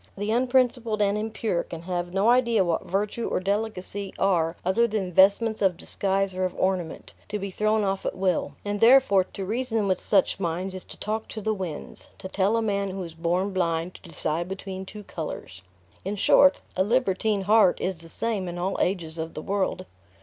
The unprincipled and impure can have no idea what virtue or delicacy are other than vestments of disguise or of ornament, to be thrown off at will; and therefore, to reason with such minds is to talk to the winds to tell a man who is born blind to decide between two colors. In short, a libertine heart is the same in all ages of the world.